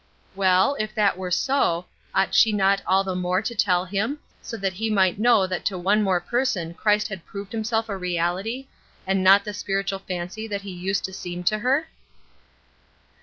Well, if that were so, ought she not all the more to tell him, so that he might know that to one more person Christ had proved himself a reality, and not the spiritual fancy that he used to seem to her?